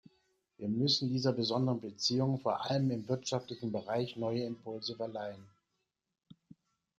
Wir müssen dieser besonderen Beziehung vor allem im wirtschaftlichen Bereich neue Impulse verleihen.